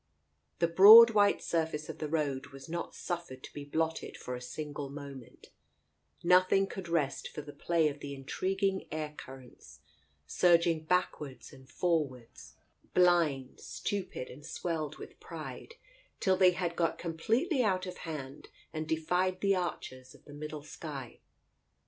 The broad white surface of the road was not suffered to be blotted for a single moment. Nothing could rest for the play of the intriguing air currents, surging backwards and forwards, blind, stupid k 2 131 Digitized by Google 132 TALES OF THE UNEASY and swelled with pride, till they had got completely out of hand and defied the archers of the middle sky.